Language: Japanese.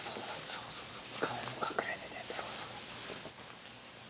そうそうそう。